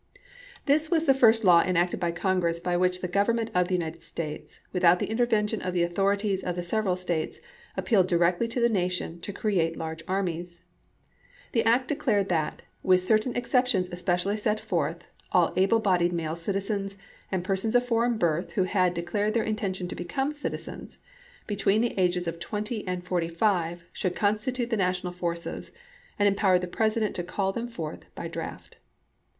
This was the first law enacted by Congress by which the Government of the United States with out the intervention of the authorities of the sev eral States appealed directly to the nation to create large armies. The act declared that, with certain exceptions especially set forth, all able bodied male citizens and persons of foreign birth who had de clared their intention to become citizens, between 6 ABRAHAM LINCOLN chap. i. the ages of 20 and 45, should constitute the na tional forces, and empowered the President to call them forth by draft.